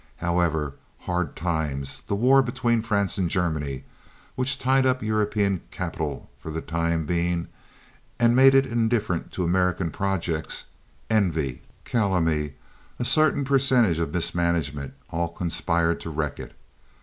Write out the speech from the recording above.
However, hard times, the war between France and Germany, which tied up European capital for the time being and made it indifferent to American projects, envy, calumny, a certain percentage of mismanagement, all conspired to wreck it.